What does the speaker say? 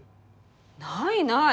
ないない！